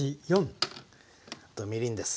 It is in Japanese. あとみりんです。